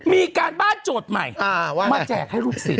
มีการบ้านโจทย์ใหม่มาแจกให้ลูกศิษย